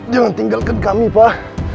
jangan tinggalkan kami pak